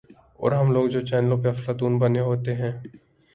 اورہم لوگ جو چینلوں پہ افلاطون بنے ہوتے ہیں۔